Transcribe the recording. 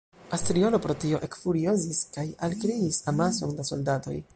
Astriolo pro tio ekfuriozis kaj alkriis amason da soldatoj.